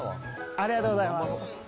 ありがとうございます。